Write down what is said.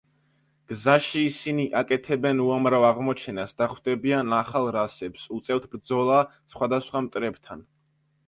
გზაში ისინი აკეთებენ უამრავ აღმოჩენას და ხვდებიან ახალ რასებს, უწევთ ბრძოლა სხვადასხვა მტრებთან.